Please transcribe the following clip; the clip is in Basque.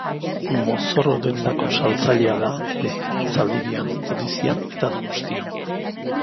Mozorro-dendako saltzailea da ere, Zaldibian, Ordizian eta Donostian.